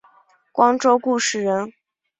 光州固始人。